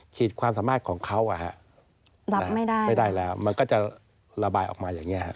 ขีดความสามารถของเขารับไม่ได้แล้วมันก็จะระบายออกมาอย่างนี้